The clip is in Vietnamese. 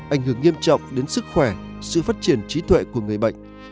ảnh hưởng nghiêm trọng đến sức khỏe sự phát triển trí tuệ của người bệnh